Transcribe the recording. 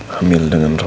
hamil dengan roy